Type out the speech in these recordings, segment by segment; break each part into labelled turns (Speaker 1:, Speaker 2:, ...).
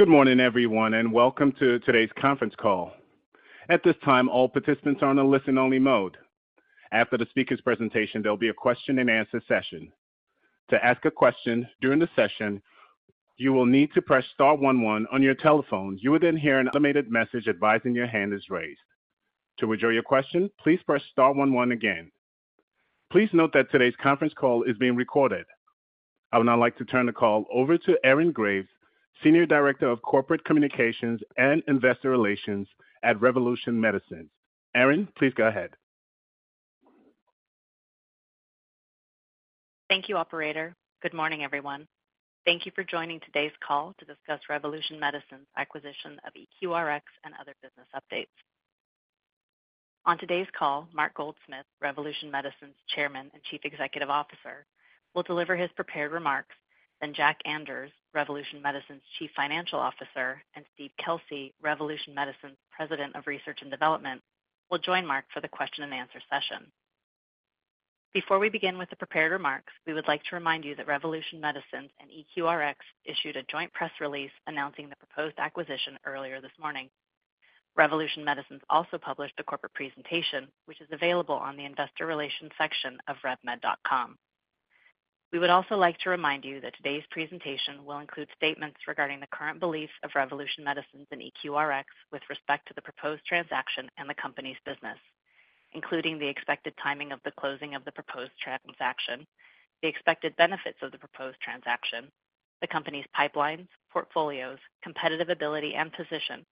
Speaker 1: Good morning, everyone, and welcome to today's conference call. At this time, all participants are on a listen-only mode. After the speaker's presentation, there'll be a question-and-answer session. To ask a question during the session, you will need to press star one one on your telephone. You will then hear an automated message advising your hand is raised. To withdraw your question, please press star one one again. Please note that today's conference call is being recorded. I would now like to turn the call over to Erin Graves, Senior Director of Corporate Communications and Investor Relations at Revolution Medicines. Erin, please go ahead.
Speaker 2: Thank you, operator. Good morning, everyone. Thank you for joining today's call to discuss Revolution Medicines' acquisition of EQRx and other business updates. On today's call, Mark Goldsmith, Revolution Medicines' Chairman and Chief Executive Officer, will deliver his prepared remarks. Jack Anders, Revolution Medicines' Chief Financial Officer, and Steve Kelsey, Revolution Medicines' President of Research and Development, will join Mark for the question-and-answer session. Before we begin with the prepared remarks, we would like to remind you that Revolution Medicines and EQRx issued a joint press release announcing the proposed acquisition earlier this morning. Revolution Medicines also published a corporate presentation, which is available on the investor relations section of revmed.com. We would also like to remind you that today's presentation will include statements regarding the current beliefs of Revolution Medicines and EQRx with respect to the proposed transaction and the company's business, including the expected timing of the closing of the proposed transaction, the expected benefits of the proposed transaction, the company's pipelines, portfolios, competitive ability, and position,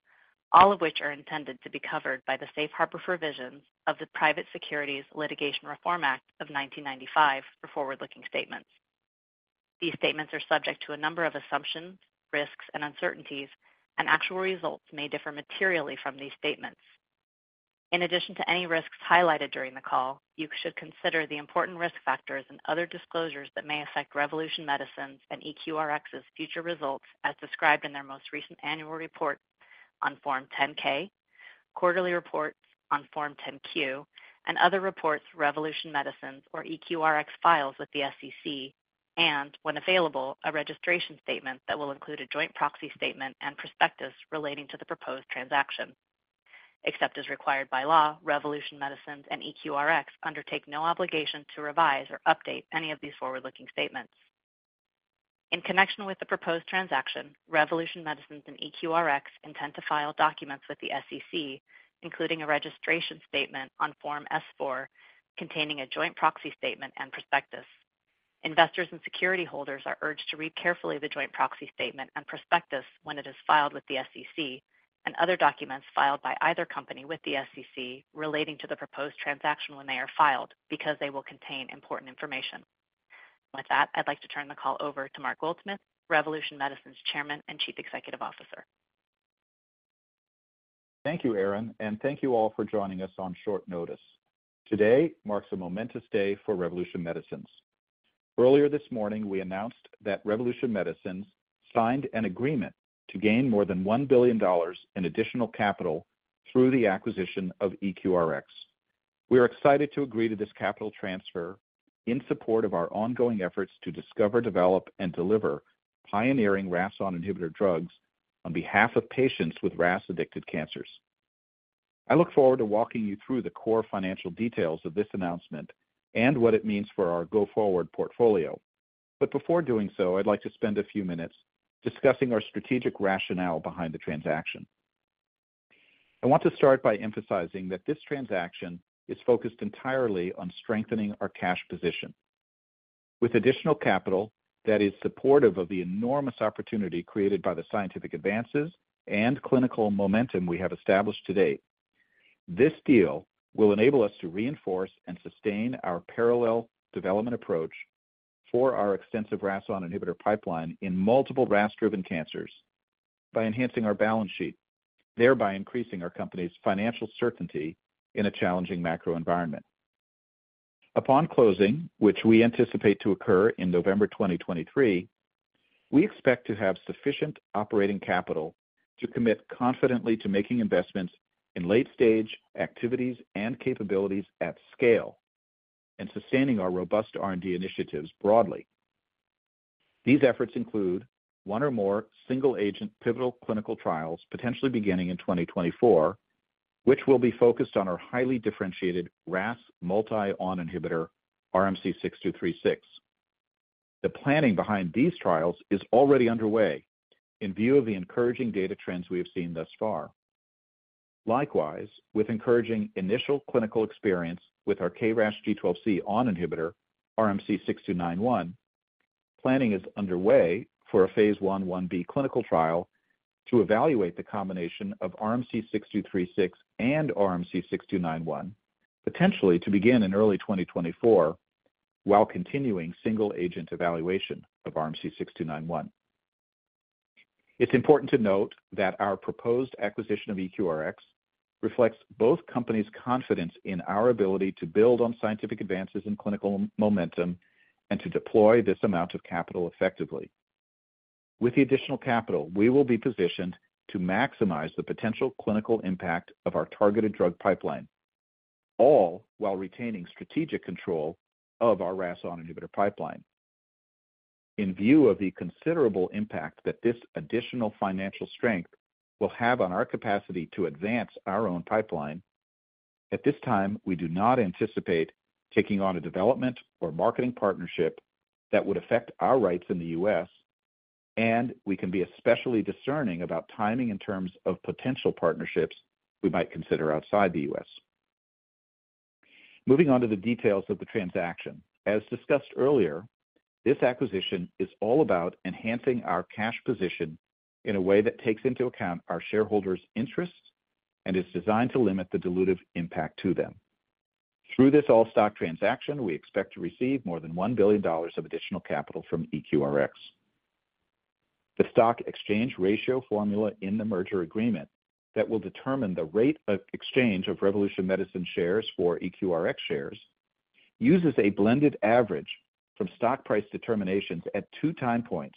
Speaker 2: all of which are intended to be covered by the Safe Harbor provisions of the Private Securities Litigation Reform Act of 1995 for forward-looking statements. These statements are subject to a number of assumptions, risks, and uncertainties, and actual results may differ materially from these statements. In addition to any risks highlighted during the call, you should consider the important risk factors and other disclosures that may affect Revolution Medicines and EQRx's future results, as described in their most recent annual report on Form 10-K, quarterly reports on Form 10-Q, and other reports Revolution Medicines or EQRx files with the SEC, and, when available, a registration statement that will include a joint proxy statement and prospectus relating to the proposed transaction. Except as required by law, Revolution Medicines and EQRx undertake no obligation to revise or update any of these forward-looking statements. In connection with the proposed transaction, Revolution Medicines and EQRx intend to file documents with the SEC, including a registration statement on Form S-4, containing a joint proxy statement and prospectus. Investors and security holders are urged to read carefully the joint proxy statement and prospectus when it is filed with the SEC and other documents filed by either company with the SEC relating to the proposed transaction when they are filed, because they will contain important information. With that, I'd like to turn the call over to Mark Goldsmith, Revolution Medicines' Chairman and Chief Executive Officer.
Speaker 3: Thank you, Erin, and thank you all for joining us on short notice. Today marks a momentous day for Revolution Medicines. Earlier this morning, we announced that Revolution Medicines signed an agreement to gain more than $1 billion in additional capital through the acquisition of EQRx. We are excited to agree to this capital transfer in support of our ongoing efforts to discover, develop, and deliver pioneering RAS(ON) inhibitor drugs on behalf of patients with RAS-addicted cancers. I look forward to walking you through the core financial details of this announcement and what it means for our go-forward portfolio. Before doing so, I'd like to spend a few minutes discussing our strategic rationale behind the transaction. I want to start by emphasizing that this transaction is focused entirely on strengthening our cash position. With additional capital that is supportive of the enormous opportunity created by the scientific advances and clinical momentum we have established to date, this deal will enable us to reinforce and sustain our parallel development approach for our extensive RAS(ON) inhibitor pipeline in multiple RAS-driven cancers by enhancing our balance sheet, thereby increasing our company's financial certainty in a challenging macro environment. Upon closing, which we anticipate to occur in November 2023, we expect to have sufficient operating capital to commit confidently to making investments in late-stage activities and capabilities at scale and sustaining our robust R&D initiatives broadly. These efforts include one or more single-agent pivotal clinical trials, potentially beginning in 2024, which will be focused on our highly differentiated RAS(ON) multi-selective inhibitor, RMC-6236. The planning behind these trials is already underway in view of the encouraging data trends we have seen thus far. Likewise, with encouraging initial clinical experience with our KRAS G12C(ON) inhibitor, RMC-6291, planning is underway for a Phase 1/1b clinical trial to evaluate the combination of RMC-6236 and RMC-6291, potentially to begin in early 2024, while continuing single-agent evaluation of RMC-6291. It's important to note that our proposed acquisition of EQRx reflects both companies' confidence in our ability to build on scientific advances in clinical momentum and to deploy this amount of capital effectively. With the additional capital, we will be positioned to maximize the potential clinical impact of our targeted drug pipeline, all while retaining strategic control of our RAS(ON) inhibitor pipeline. In view of the considerable impact that this additional financial strength will have on our capacity to advance our own pipeline, at this time, we do not anticipate taking on a development or marketing partnership that would affect our rights in the U.S., and we can be especially discerning about timing in terms of potential partnerships we might consider outside the U.S. Moving on to the details of the transaction. As discussed earlier, this acquisition is all about enhancing our cash position in a way that takes into account our shareholders' interests and is designed to limit the dilutive impact to them. Through this all-stock transaction, we expect to receive more than $1 billion of additional capital from EQRx. The stock exchange ratio formula in the merger agreement that will determine the rate of exchange of Revolution Medicines shares for EQRx shares, uses a blended average from stock price determinations at two time points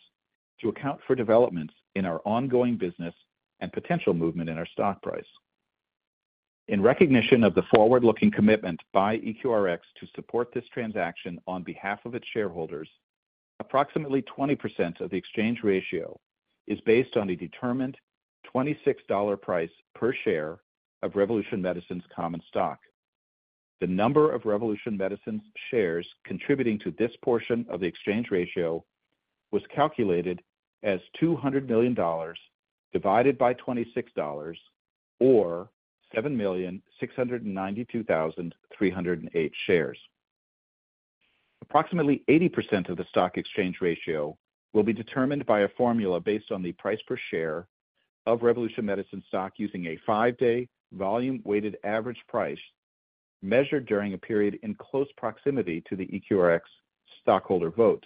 Speaker 3: to account for developments in our ongoing business and potential movement in our stock price. In recognition of the forward-looking commitment by EQRx to support this transaction on behalf of its shareholders, approximately 20% of the exchange ratio is based on a determined $26 price per share of Revolution Medicines' common stock. The number of Revolution Medicines shares contributing to this portion of the exchange ratio was calculated as $200 million divided by $26, or 7,692,308 shares. Approximately 80% of the stock exchange ratio will be determined by a formula based on the price per share of Revolution Medicines stock, using a five-day volume-weighted average price measured during a period in close proximity to the EQRx stockholder vote,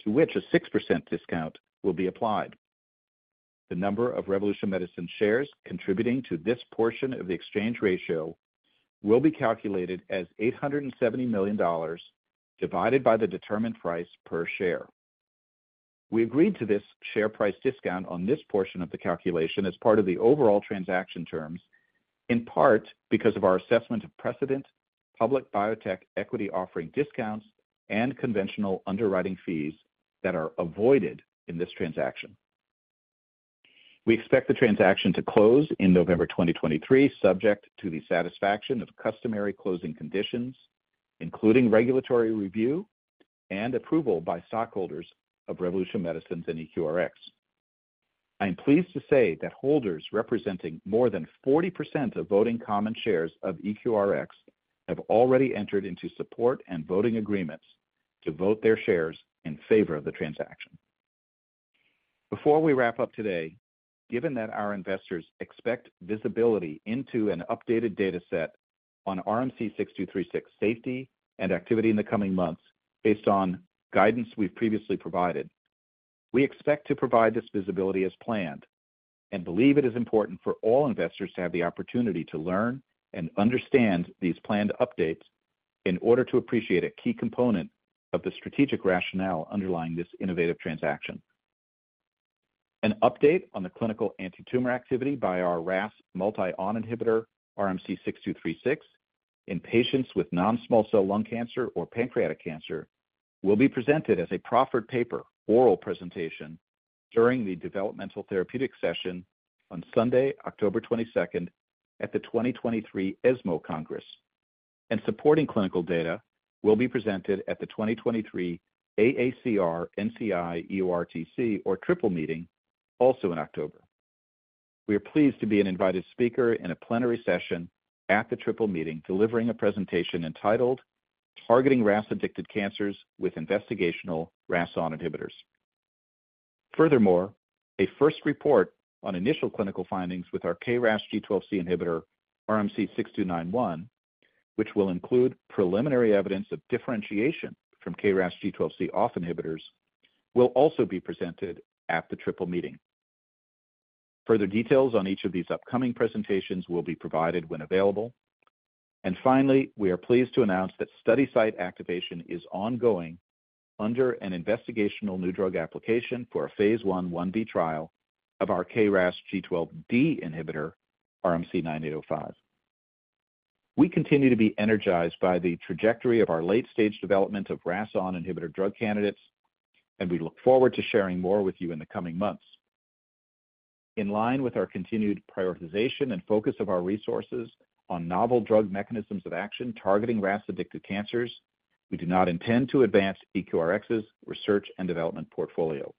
Speaker 3: to which a 6% discount will be applied. The number of Revolution Medicines shares contributing to this portion of the exchange ratio will be calculated as $870 million, divided by the determined price per share. We agreed to this share price discount on this portion of the calculation as part of the overall transaction terms, in part because of our assessment of precedent, public biotech equity offering discounts, and conventional underwriting fees that are avoided in this transaction. We expect the transaction to close in November 2023, subject to the satisfaction of customary closing conditions, including regulatory review and approval by stockholders of Revolution Medicines and EQRX. I am pleased to say that holders representing more than 40% of voting common shares of EQRX have already entered into support and voting agreements to vote their shares in favor of the transaction. Before we wrap up today, given that our investors expect visibility into an updated data set on RMC-6236 safety and activity in the coming months based on guidance we've previously provided, we expect to provide this visibility as planned and believe it is important for all investors to have the opportunity to learn and understand these planned updates in order to appreciate a key component of the strategic rationale underlying this innovative transaction. An update on the clinical antitumor activity by our RAS multi-on inhibitor, RMC-6236, in patients with non-small cell lung cancer or pancreatic cancer, will be presented as a proffered paper oral presentation during the Developmental Therapeutics session on Sunday, October 22nd, at the 2023 ESMO Congress. Supporting clinical data will be presented at the 2023 AACR-NCI-EORTC or Triple Meeting, also in October. We are pleased to be an invited speaker in a plenary session at the Triple Meeting, delivering a presentation entitled "Targeting RAS-addicted Cancers with Investigational RAS(ON) Inhibitors." Furthermore, a first report on initial clinical findings with our KRAS G12C inhibitor, RMC-6291, which will include preliminary evidence of differentiation from KRAS G12C(OFF) inhibitors, will also be presented at the Triple Meeting. Further details on each of these upcoming presentations will be provided when available. Finally, we are pleased to announce that study site activation is ongoing under an Investigational New Drug application for a Phase 1/1b trial of our KRAS G12D inhibitor, RMC-9805. We continue to be energized by the trajectory of our late-stage development of RAS(ON) inhibitor drug candidates, and we look forward to sharing more with you in the coming months. In line with our continued prioritization and focus of our resources on novel drug mechanisms of action targeting RAS-addicted cancers, we do not intend to advance EQRx's research and development portfolio.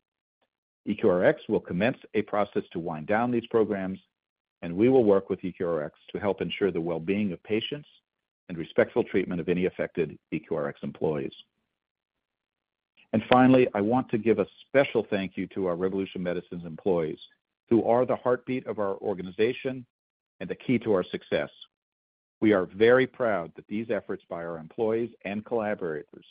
Speaker 3: EQRx will commence a process to wind down these programs, and we will work with EQRx to help ensure the well-being of patients and respectful treatment of any affected EQRx employees. Finally, I want to give a special thank you to our Revolution Medicines employees, who are the heartbeat of our organization and the key to our success. We are very proud that these efforts by our employees and collaborators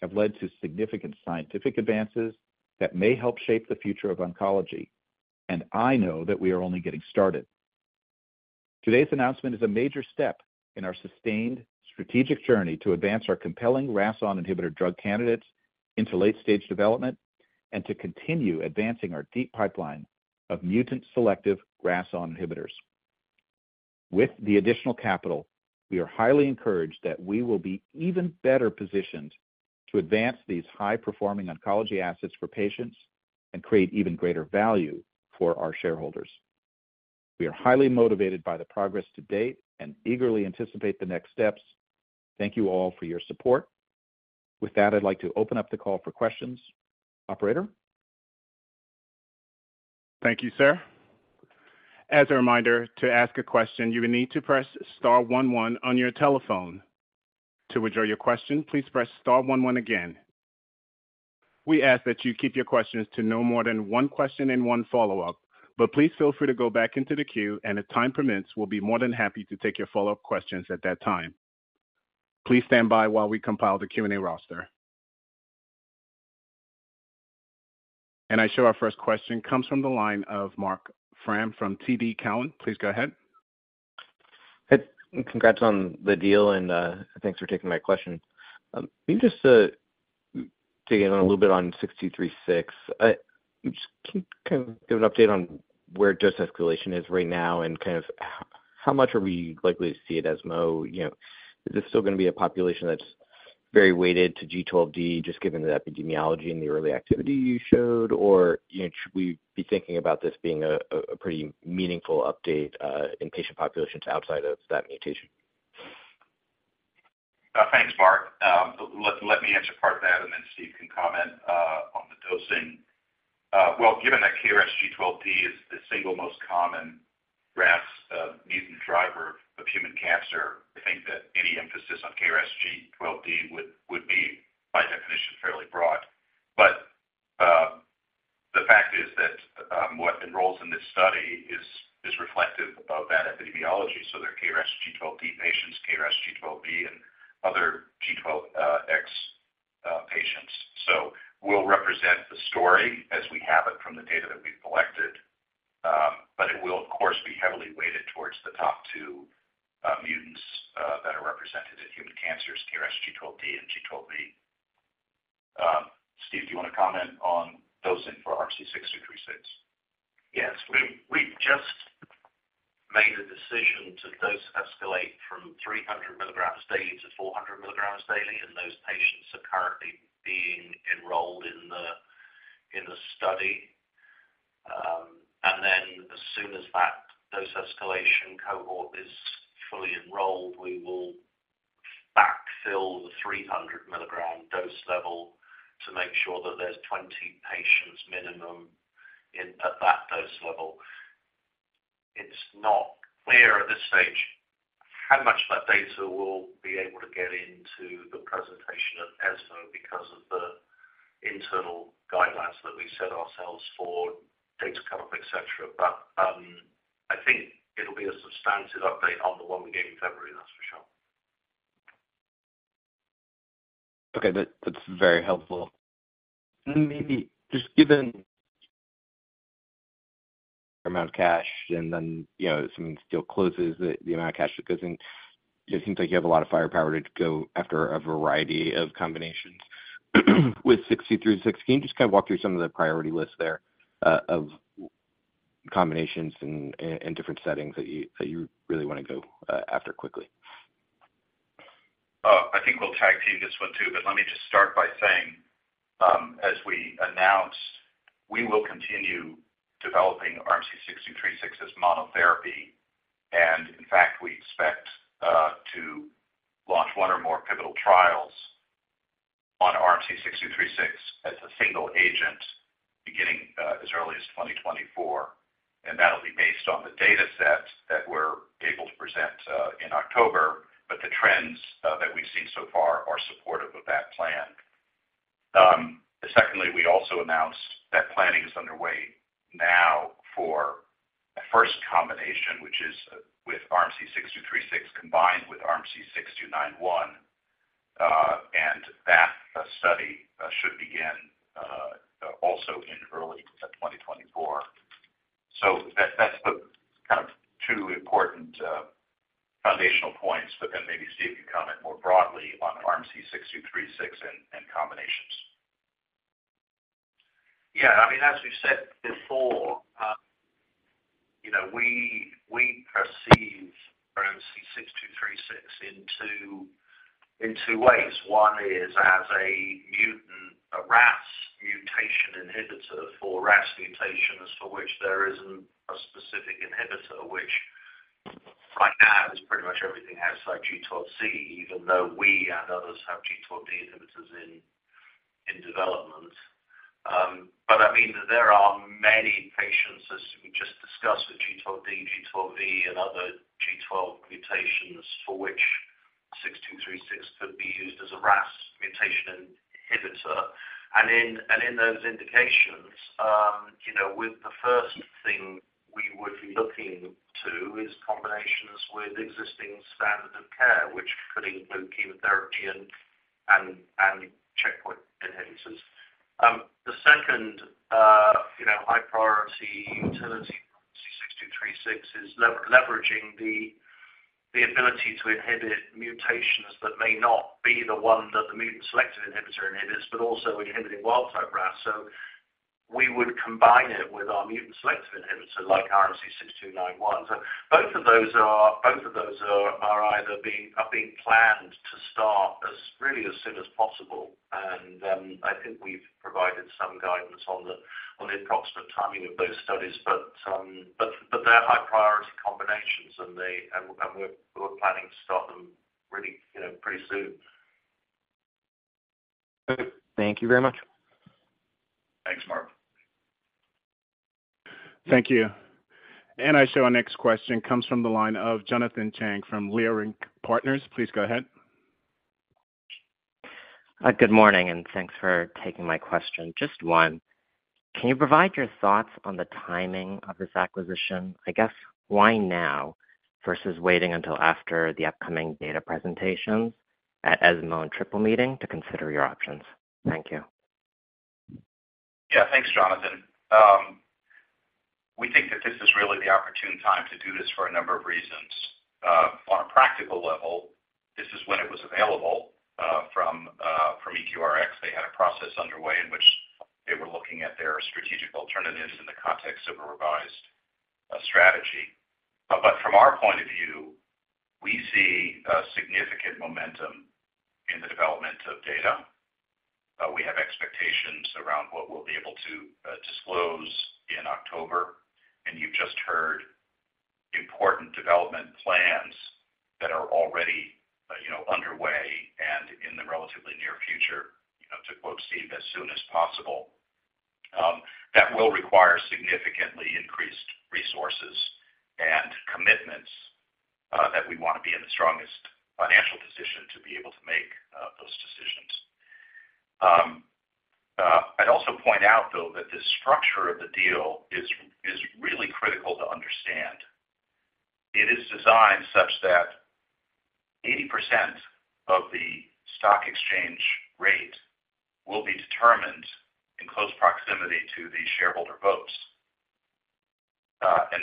Speaker 3: have led to significant scientific advances that may help shape the future of oncology, and I know that we are only getting started. Today's announcement is a major step in our sustained strategic journey to advance our compelling RAS(ON) inhibitor drug candidates into late-stage development... and to continue advancing our deep pipeline of mutant selective RAS(ON) inhibitors. With the additional capital, we are highly encouraged that we will be even better positioned to advance these high-performing oncology assets for patients and create even greater value for our shareholders. We are highly motivated by the progress to date and eagerly anticipate the next steps. Thank you all for your support. With that, I'd like to open up the call for questions. Operator?
Speaker 1: Thank you, sir. As a reminder, to ask a question, you will need to press star one one on your telephone. To withdraw your question, please press star one one again. We ask that you keep your questions to no more than one question and one follow-up, please feel free to go back into the queue, and if time permits, we'll be more than happy to take your follow-up questions at that time. Please stand by while we compile the Q&A roster. I show our first question comes from the line of Marc Frahm from TD Cowen. Please go ahead.
Speaker 4: Hey, congrats on the deal, and thanks for taking my question. Maybe just to dig in a little bit on 636, just can you kind of give an update on where dose escalation is right now and kind of how much are we likely to see at ESMO? You know, is this still going to be a population that's very weighted to G12D, just given the epidemiology and the early activity you showed? You know, should we be thinking about this being a pretty meaningful update in patient populations outside of that mutation?
Speaker 3: Thanks, Marc. Let me answer part of that, and then Steve can comment on the dosing. Well, given that KRAS G12D is the single most common RAS mutant driver of human cancer, I think that any emphasis on KRAS G12D would, would be, by definition, fairly broad. The fact is that what enrolls in this study is reflective of that epidemiology. There are KRAS G12D patients, KRAS G12V, and other G12X patients. We'll represent the story as we have it from the data that we've collected, but it will, of course, be heavily weighted towards the top two
Speaker 5: guidelines that we set ourselves for data cut-off, et cetera. I think it'll be a substantive update on the one we gave in February, that's for sure.
Speaker 4: Okay, that, that's very helpful. Maybe just given amount of cash and then, you know, if something still closes, the, the amount of cash that goes in, it seems like you have a lot of firepower to go after a variety of combinations with RMC-6236. Can you just kind of walk through some of the priority list there, of combinations and, and different settings that you, that you really want to go, after quickly?
Speaker 3: I think we'll tag team this one, too, but let me just start by saying, as we announced, we will continue developing RMC-6236 as monotherapy, and in fact, we expect to launch one or more pivotal trials on RMC-6236 as a single agent beginning as early as 2024, and that'll be based on the data set that we're able to present in October. The trends that we've seen so far are supportive of that plan. Secondly, we also announced that planning is underway now for a first combination, which is with RMC-6236, combined with RMC-6291. That study should begin also in early 2024. That, that's the kind of two important foundational points. Then maybe Steve, you comment more broadly on RMC-6236 and combinations.
Speaker 5: Yeah, I mean, as we've said before, you know, we, we perceive RMC-6236 in two, in two ways. One is as a mutant, a RAS mutation inhibitor, for RAS mutations, for which there isn't a specific inhibitor, which right now is pretty much everything outside G12C, even though we and others have G12D inhibitors in, in development. But I mean, there are many patients, as we just discussed, with G12D, G12V, and other G12 mutations, for which 6236 could be used as a RAS mutation inhibitor. In, and in those indications, you know, with the first thing we would be looking to is combinations with existing standard of care, which could include chemotherapy and, and, and checkpoint inhibitors. The second, you know, high-priority utility-... six is leveraging the ability to inhibit mutations that may not be the one that the mutant selective inhibitor inhibits, but also inhibiting wild-type RAS. We would combine it with our mutant selective inhibitor, like RMC-6291. Both of those are, both of those are either being, are being planned to start as really as soon as possible. I think we've provided some guidance on the approximate timing of those studies. But they're high priority combinations and they, and we're planning to start them really, you know, pretty soon.
Speaker 4: Thank you very much.
Speaker 3: Thanks, Marc.
Speaker 1: Thank you. I show our next question comes from the line of Jonathan Chang from Leerink Partners. Please go ahead.
Speaker 6: Good morning, thanks for taking my question. Just one. Can you provide your thoughts on the timing of this acquisition? I guess, why now, versus waiting until after the upcoming data presentations at ESMO and Triple Meeting to consider your options? Thank you.
Speaker 3: Yeah, thanks, Jonathan. We think that this is really the opportune time to do this for a number of reasons. On a practical level, this is when it was available from EQRx. They had a process underway in which they were looking at their strategic alternatives in the context of a revised strategy. From our point of view, we see significant momentum in the development of data. We have expectations around what we'll be able to disclose in October, and you've just heard important development plans that are already, you know, underway and in the relatively near future, you know, to quote Steve, "As soon as possible." That will require significantly increased resources and commitments that we wanna be in the strongest financial position to be able to make those decisions. I'd also point out, though, that the structure of the deal is, is really critical to understand. It is designed such that 80% of the stock exchange rate will be determined in close proximity to the shareholder votes.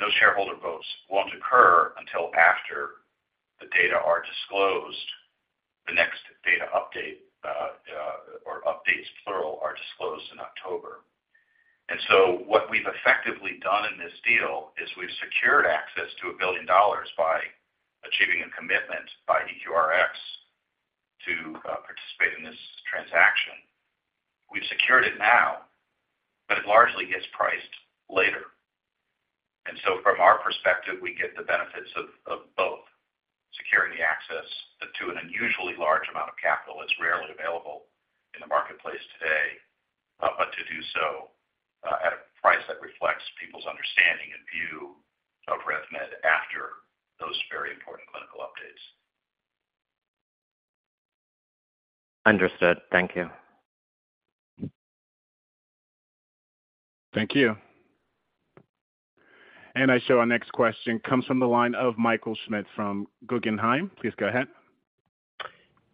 Speaker 3: Those shareholder votes won't occur until after the data are disclosed, the next data update, or updates, plural, are disclosed in October. What we've effectively done in this deal is we've secured access to $1 billion by achieving a commitment by EQRx to participate in this transaction. We've secured it now, it largely gets priced later. From our perspective, we get the benefits of, of both, securing the access to an unusually large amount of capital that's rarely available in the marketplace today, but to do so, at a price that reflects people's understanding and view of RevMed after those very important clinical updates.
Speaker 6: Understood. Thank you.
Speaker 1: Thank you. I show our next question comes from the line of Michael Schmidt from Guggenheim. Please go ahead.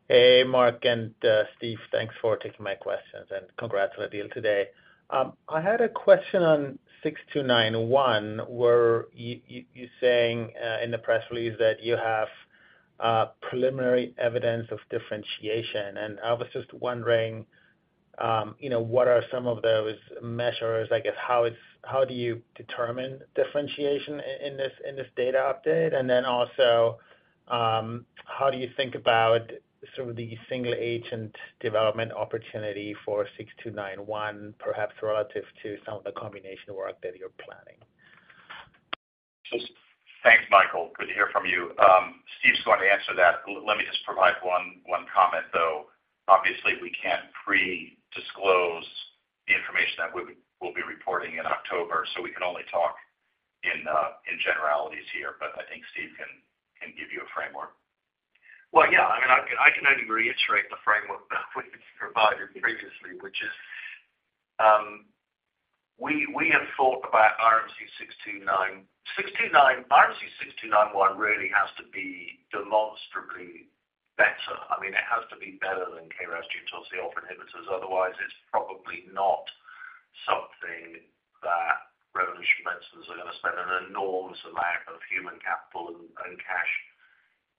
Speaker 7: Hey, Mark and Steve, thanks for taking my questions, and congrats on the deal today. I had a question on six two nine one, where you're saying, in the press release that you have, preliminary evidence of differentiation. I was just wondering, you know, what are some of those measures? I guess, how do you determine differentiation in this, in this data update? Then also, how do you think about sort of the single agent development opportunity for six two nine one, perhaps relative to some of the combination work that you're planning?
Speaker 3: Thanks, Michael. Good to hear from you. Steve's going to answer that. Let me just provide one, one comment, though. Obviously, we can't pre-disclose the information that we, we'll be reporting in October, so we can only talk in generalities here, but I think Steve can, can give you a framework.
Speaker 5: Well, yeah. I mean, I can, I can only reiterate the framework that we've provided previously, which is, we, we have thought about RMC 6291 really has to be demonstrably better. I mean, it has to be better than KRAS G12C inhibitors, otherwise, it's probably not something that Revolution Medicines are gonna spend an enormous amount of human capital and, and cash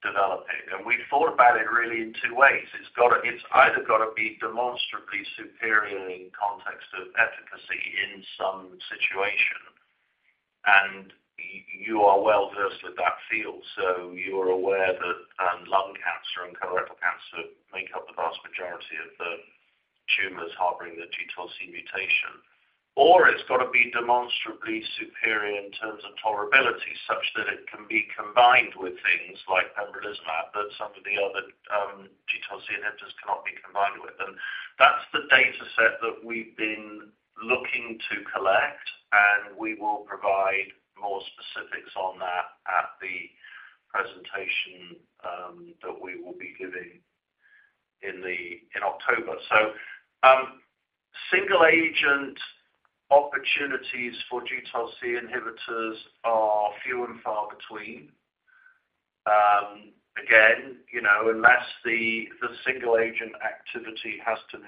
Speaker 5: developing. We've thought about it really in two ways. It's gotta-- it's either gotta be demonstrably superior in the context of efficacy in some situation, and you are well versed with that field, so you are aware that, lung cancer and colorectal cancer make up the vast majority of the tumors harboring the G12C mutation. It's gotta be demonstrably superior in terms of tolerability, such that it can be combined with things like pembrolizumab, that some of the other G12C inhibitors cannot be combined with. That's the data set that we've been looking to collect, and we will provide more specifics on that at the presentation that we will be giving in October. Single agent opportunities for G12C inhibitors are few and far between. Again, you know, unless the single agent activity has to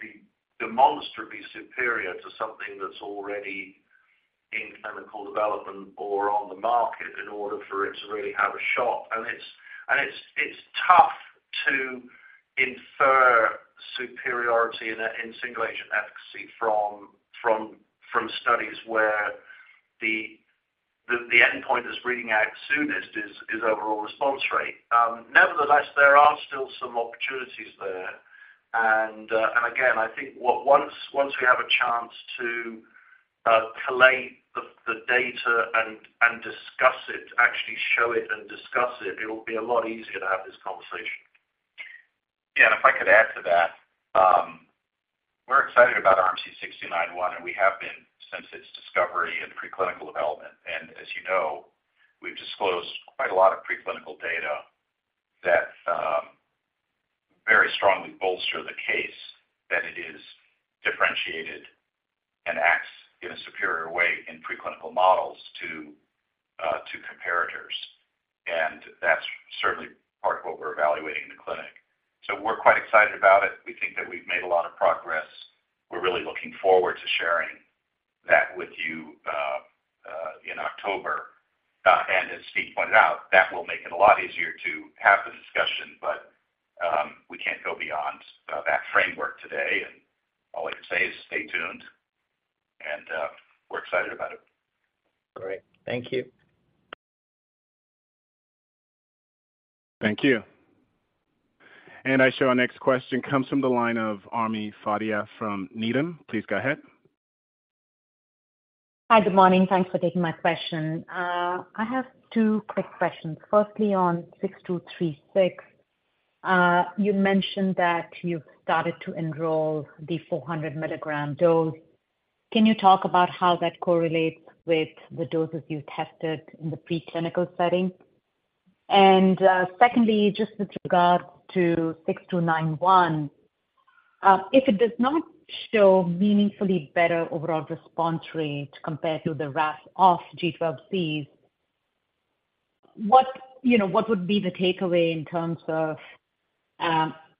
Speaker 5: be demonstrably superior to something that's already in clinical development or on the market in order for it to really have a shot. And it's, and it's, it's tough to infer superiority in a, in single agent efficacy from, from, from studies where the endpoint that's reading out soonest is overall response rate. Nevertheless, there are still some opportunities there. And again, I think we have a chance to collate the data and discuss it, actually show it and discuss it, it'll be a lot easier to have this conversation.
Speaker 3: Yeah. If I could add to that, we're excited about RMC-6291, and we have been since its discovery and preclinical development and as you know, we've disclosed quite a lot of preclinical data that very strongly bolster the case that it is differentiated and acts in a superior way in preclinical models to comparators. That's certainly part of what we're evaluating in the clinic. We're quite excited about it. We think that we've made a lot of progress. We're really looking forward to sharing that with you in October. As Steve pointed out, that will make it a lot easier to have the discussion, but we can't go beyond that framework today. All I can say is stay tuned, and we're excited about it.
Speaker 5: Great. Thank you.
Speaker 1: Thank you. I show our next question comes from the line of Ami Fadia from Needham. Please go ahead.
Speaker 8: Hi, good morning. Thanks for taking my question. I have two quick questions. Firstly, on RMC-6236, you mentioned that you've started to enroll the 400 mg dose. Can you talk about how that correlates with the doses you tested in the preclinical setting? Secondly, just with regard to RMC-6291, if it does not show meaningfully better overall response rate compared to the RAS(OFF) G12Cs, what, you know, what would be the takeaway in terms of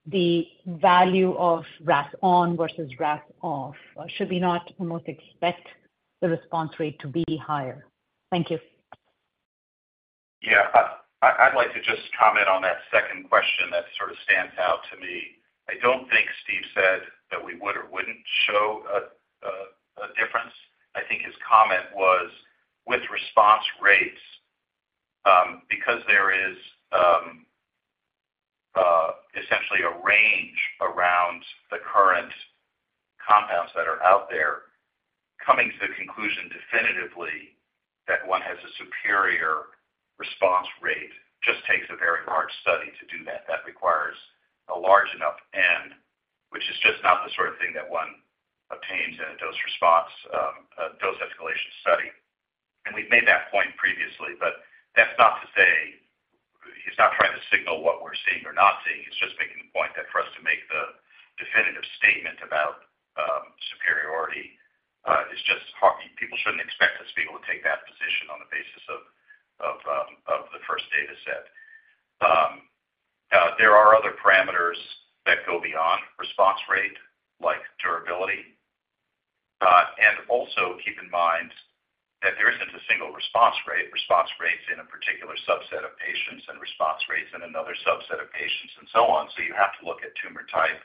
Speaker 8: the value of RAS(ON) versus RAS(OFF)? Should we not almost expect the response rate to be higher? Thank you.
Speaker 3: Yeah. I, I'd like to just comment on that second question. That sort of stands out to me. I don't think Steve said that we would or wouldn't show a, a, a difference. I think his comment was with response rates, because there is essentially a range around the current compounds that are out there, coming to the conclusion definitively that one has a superior response rate, just takes a very large study to do that. That requires a large enough N, which is just not the sort of thing that one obtains in a dose response, dose escalation study. We've made that point previously, but that's not to say... He's not trying to signal what we're seeing or not seeing. He's just making the point that for us to make the definitive statement about superiority is just hard. People shouldn't expect us to be able to take that position on the basis of, of, of the first dataset. There are other parameters that go beyond response rate, like durability. Also keep in mind that there isn't a single response rate, response rates in a particular subset of patients, and response rates in another subset of patients, and so on. You have to look at tumor type,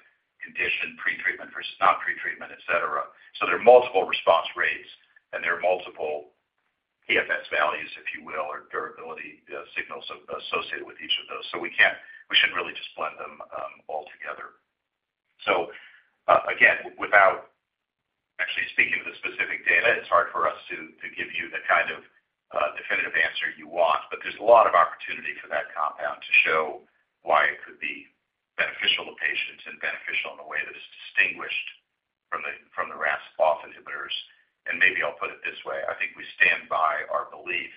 Speaker 3: condition, pretreatment versus not pretreatment, etc. There are multiple response rates, and there are multiple PFS values, if you will, or durability, signals as-associated with each of those. We can't-- we shouldn't really just blend them all together. Again, without actually speaking to the specific data, it's hard for us to, to give you the kind of, definitive answer you want, but there's a lot of opportunity for that compound to show why it could be beneficial to patients and beneficial in a way that is distinguished from the RAS(OFF) inhibitors. Maybe I'll put it this way: I think we stand by our belief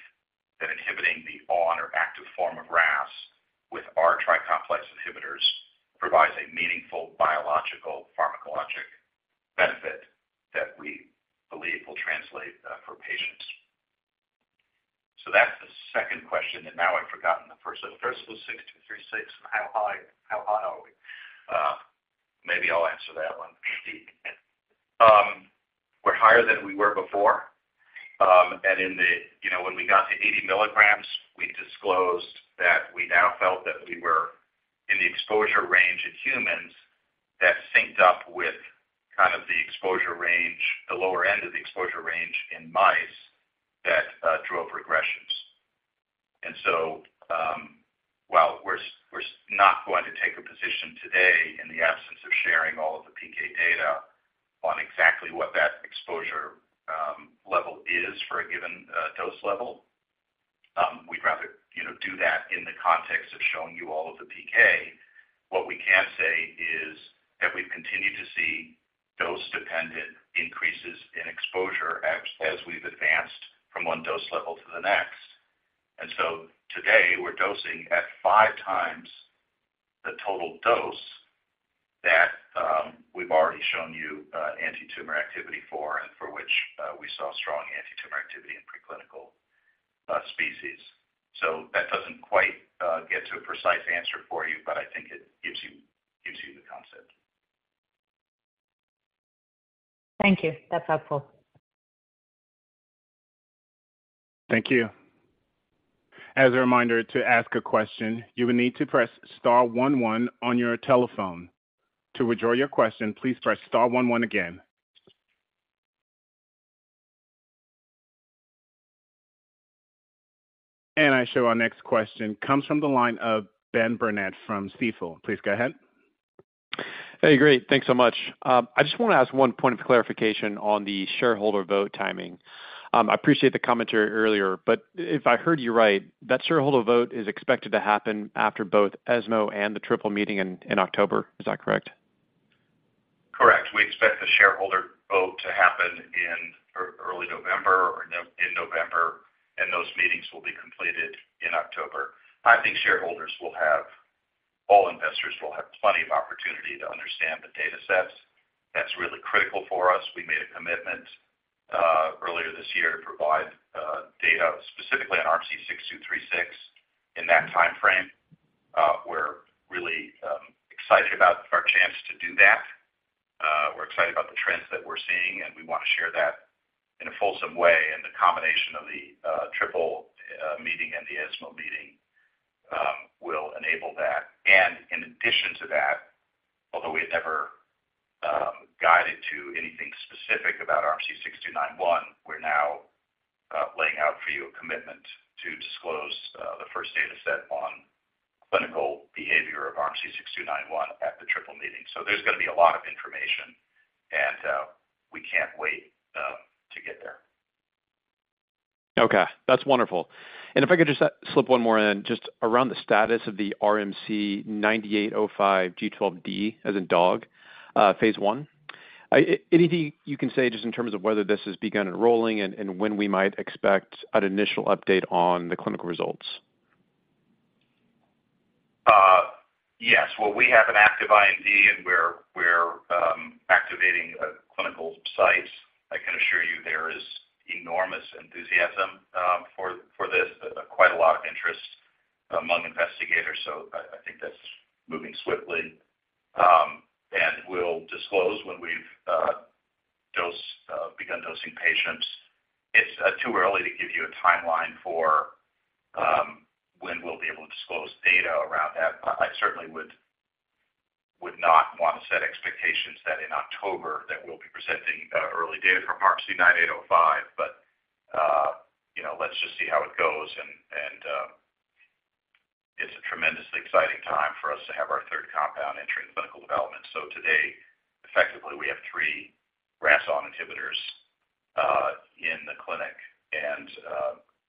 Speaker 3: that inhibiting the on or active form of RAS with our tri-complex inhibitors provides a meaningful biological pharmacologic benefit that we believe will translate, for patients. That's the second question, and now I've forgotten the first. The first was RMC-6236, and how high, how high are we? Maybe I'll answer that one. We're higher than we were before. In the... You know, when we got to 80 mg, we disclosed that we now felt that we were in the exposure range in humans. That synced up with kind of the exposure range, the lower end of the exposure range in mice, that drove regressions. So, while we're, we're not going to take a position today in the absence of sharing all of the PK data on exactly what that exposure level is for a given dose level, we'd rather, you know, do that in the context of showing you all of the PK. What we can say is that we've continued to see dose-dependent increases in exposure as, as we've advanced from on dose level to the next. So today we're dosing at 5 times the total dose that-... We've already shown you, antitumor activity for, and for which, we saw strong antitumor activity in preclinical, species. That doesn't quite get to a precise answer for you, but I think it gives you, gives you the concept.
Speaker 8: Thank you. That's helpful.
Speaker 1: Thank you. As a reminder, to ask a question, you will need to press star one one on your telephone. To withdraw your question, please press star one one again. I show our next question comes from the line of Ben Burnett from Stifel. Please go ahead.
Speaker 9: Hey, great. Thanks so much. I just want to ask one point of clarification on the shareholder vote timing. I appreciate the commentary earlier, but if I heard you right, that shareholder vote is expected to happen after both ESMO and the Triple Meeting in October. Is that correct?
Speaker 3: Correct. We expect the shareholder vote to happen in early November or in November, and those meetings will be completed in October. I think shareholders will have, all investors will have plenty of opportunity to understand the data sets. That's really critical for us. We made a commitment earlier this year to provide data specifically on RMC-6236 in that time frame. We're really excited about our chance to do that. We're excited about the trends that we're seeing, and we want to share that in a fulsome way, and the combination of the Triple meeting and the ESMO meeting will enable that. In addition to that, although we had never guided to anything specific about RMC-6291, we're now laying out for you a commitment to disclose the first data set on clinical behavior of RMC-6291 at the Triple meeting. There's gonna be a lot of information, and we can't wait to get there.
Speaker 9: Okay, that's wonderful. If I could just slip one more in, just around the status of the RMC-9805 G12D, as in dog, phase 1. Anything you can say just in terms of whether this has begun enrolling and, and when we might expect an initial update on the clinical results?
Speaker 3: Yes. Well, we have an active IND, we're, we're activating clinical sites. I can assure you there is enormous enthusiasm for this. Quite a lot of interest among investigators, so I, I think that's moving swiftly. We'll disclose when we've begun dosing patients. It's too early to give you a timeline for when we'll be able to disclose data around that. I, I certainly would, would not want to set expectations that in October, that we'll be presenting early data from RMC-9805, but, you know, let's just see how it goes, and, it's a tremendously exciting time for us to have our third compound entering clinical development. Today, effectively, we have three RAS(ON) inhibitors, in the clinic,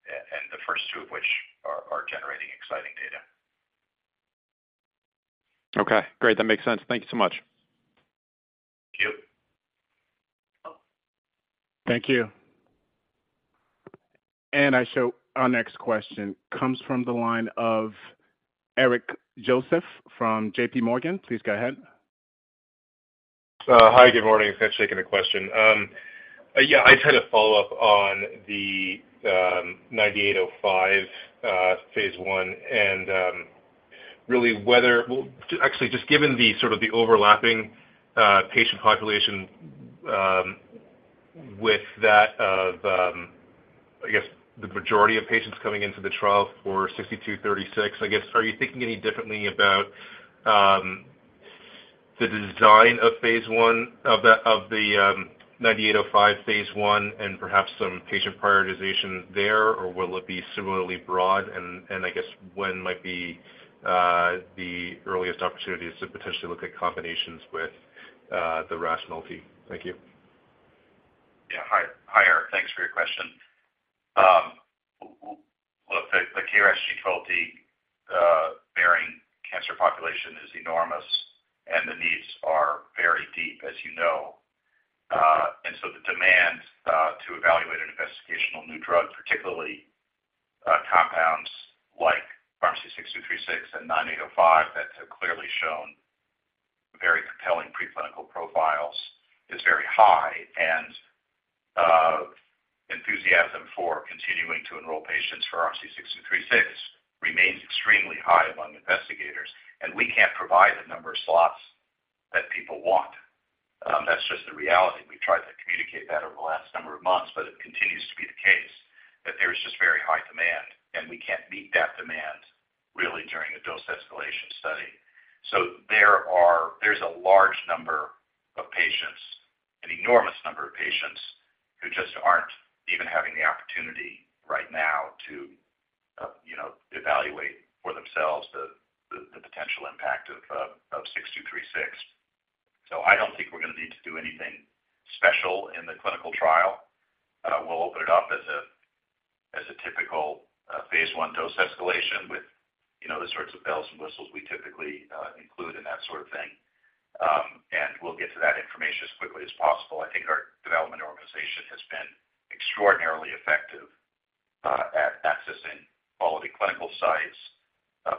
Speaker 3: and the first two of which are generating exciting data.
Speaker 9: Okay, great. That makes sense. Thank you so much.
Speaker 3: Thank you.
Speaker 1: Thank you. I show our next question comes from the line of Eric Joseph from JPMorgan. Please go ahead.
Speaker 10: Hi, good morning. Thanks for taking the question. Yeah, I just had a follow-up on the 9805 phase 1, and really whether... Well, actually, just given the sort of the overlapping patient population with that of, I guess, the majority of patients coming into the trial for 6236, I guess, are you thinking any differently about the design of phase 1, of the, of the 9805 phase 1 and perhaps some patient prioritization there, or will it be similarly broad? I guess when might be the earliest opportunities to potentially look at combinations with the rationality? Thank you.
Speaker 3: Yeah. Hi, Eric. Thanks for your question. Well, the KRAS G12D bearing cancer population is enormous, and the needs are very deep, as you know. And so the demand to evaluate an investigational new drug, particularly, compounds like RMC-6236 and RMC-9805, that have clearly shown very compelling preclinical profiles, is very high and enthusiasm for continuing to enroll patients for RMC-6236 remains extremely high among investigators, and we can't provide the number of slots that people want. That's just the reality. We've tried to communicate that over the last number of months, but it continues to be the case, that there's just very high demand, and we can't meet that demand really during a dose escalation study. There's a large number of patients, an enormous number of patients, who just aren't even having the opportunity right now to, you know, evaluate for themselves the, the, the potential impact of RMC-6236. I don't think we're gonna need to do anything special in the clinical trial. We'll open it up as a, as a typical phase I dose escalation with, you know, the sorts of bells and whistles we typically include in that sort of thing. We'll get to that information as quickly as possible. I think our development organization has been extraordinarily effective at accessing quality clinical sites,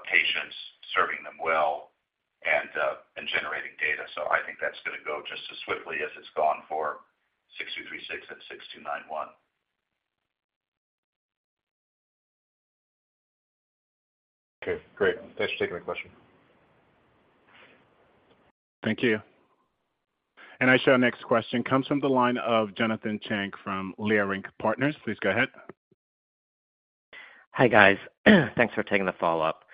Speaker 3: patients, serving them well, and generating data. I think that's going to go just as swiftly as it's gone for RMC-6236 and RMC-6291.
Speaker 11: Okay, great. Thanks for taking my question.
Speaker 1: Thank you. I show our next question comes from the line of Jonathan Chang from Leerink Partners. Please go ahead.
Speaker 6: Hi, guys. Thanks for taking the follow-up.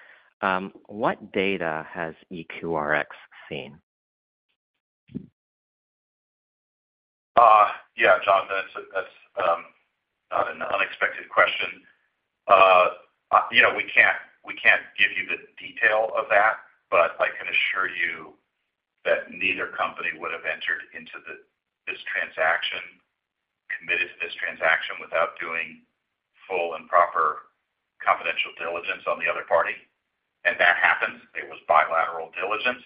Speaker 6: What data has EQRx seen?
Speaker 3: Yeah, Jonathan, that's, that's not an unexpected question. You know, we can't, we can't give you the detail of that, but I can assure you that neither company would have entered into this transaction, committed to this transaction, without doing full and proper confidential diligence on the other party. That happened. It was bilateral diligence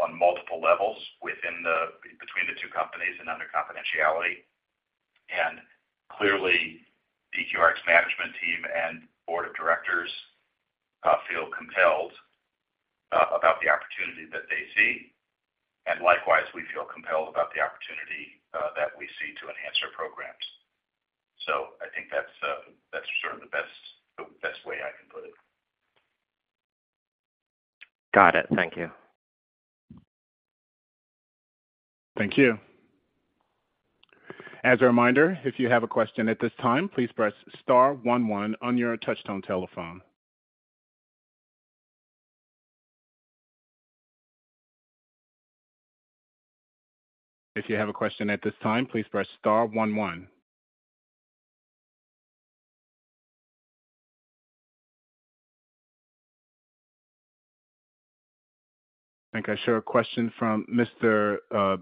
Speaker 3: on multiple levels between the two companies and under confidentiality. Clearly, the EQRx management team and board of directors feel compelled about the opportunity that they see, and likewise, we feel compelled about the opportunity that we see to enhance our programs. I think that's, that's sort of the best, the best way I can put it.
Speaker 6: Got it. Thank you.
Speaker 1: Thank you. As a reminder, if you have a question at this time, please press star one one on your touchtone telephone. If you have a question at this time, please press star one one. I think I show a question from Mr.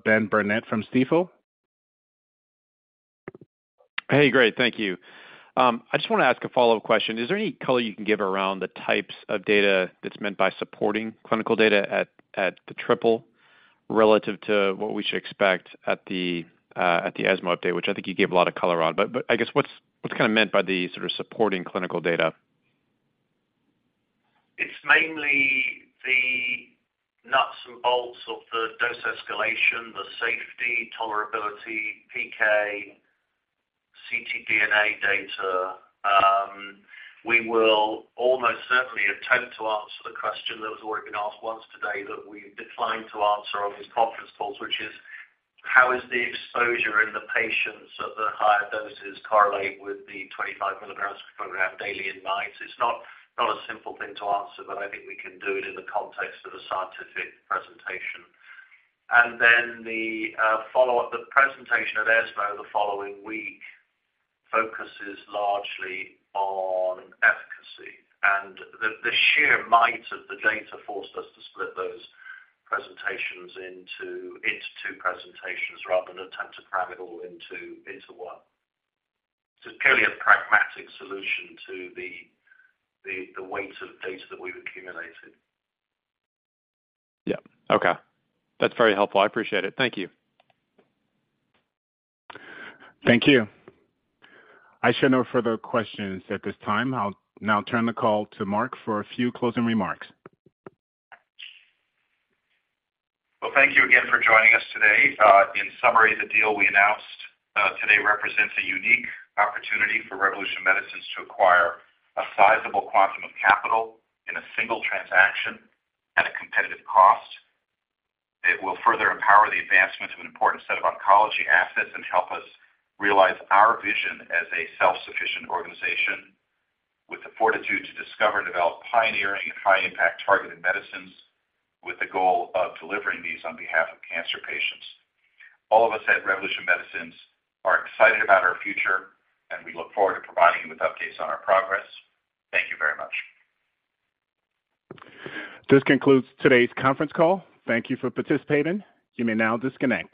Speaker 1: Ben Burnett from Stifel.
Speaker 9: Hey, great. Thank you. I just want to ask a follow-up question. Is there any color you can give around the types of data that's meant by supporting clinical data at, at the Triple, relative to what we should expect at the ESMO update, which I think you gave a lot of color on? I guess, what's, what's kind of meant by the sort of supporting clinical data?
Speaker 5: It's mainly the nuts and bolts of the dose escalation, the safety, tolerability, PK, ctDNA data. We will almost certainly attempt to answer the question that was already been asked once today, that we declined to answer on this conference call, which is: How is the exposure in the patients at the higher doses correlate with the 25 mg per gram daily in mind? It's not, not a simple thing to answer, but I think we can do it in the context of a scientific presentation. The follow-up, the presentation at ESMO the following week, focuses largely on efficacy, and the, the sheer might of the data forced us to split those presentations into each two presentations rather than attempt to cram it all into, into one. It's purely a pragmatic solution to the, the, the weight of data that we've accumulated.
Speaker 9: Yeah. Okay. That's very helpful. I appreciate it. Thank you.
Speaker 1: Thank you. I show no further questions at this time. I'll now turn the call to Mark for a few closing remarks.
Speaker 3: Well, thank you again for joining us today. In summary, the deal we announced today represents a unique opportunity for Revolution Medicines to acquire a sizable quantum of capital in a single transaction at a competitive cost. It will further empower the advancement of an important set of oncology assets and help us realize our vision as a self-sufficient organization with the fortitude to discover and develop pioneering, high-impact, targeted medicines, with the goal of delivering these on behalf of cancer patients. All of us at Revolution Medicines are excited about our future, and we look forward to providing you with updates on our progress. Thank you very much.
Speaker 1: This concludes today's conference call. Thank you for participating. You may now disconnect.